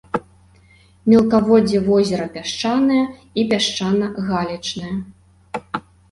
Мелкаводдзе возера пясчанае і пясчана-галечнае.